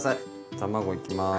卵いきます。